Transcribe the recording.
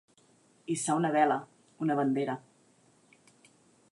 Hissar una vela, una bandera.